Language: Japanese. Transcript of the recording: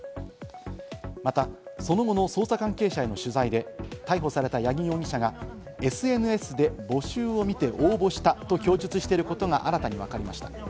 またその後の捜査関係者への取材で逮捕された八木容疑者が、ＳＮＳで募集を見て応募したと供述していることが新たにわかりました。